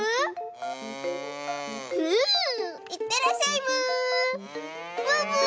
いってらっしゃいブー。